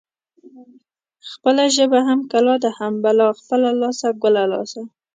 خپله ژبه هم کلا ده هم بلا. خپله لاسه ګله لاسه.